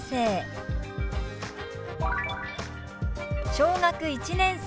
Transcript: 「小学１年生」。